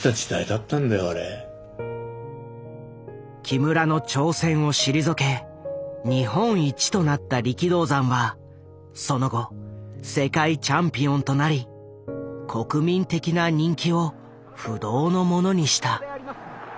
木村の挑戦を退け日本一となった力道山はその後世界チャンピオンとなり国民的な人気を不動のものにした。